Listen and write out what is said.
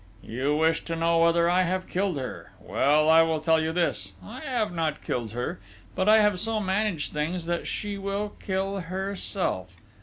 You wish to know whether I have killed her?... Well, I will tell you this: I have not killed her. But I have so managed things that she will kill herself!...